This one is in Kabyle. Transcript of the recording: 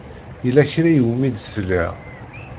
Yella kra i wumi d-sliɣ.